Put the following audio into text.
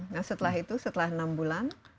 nah setelah itu setelah enam bulan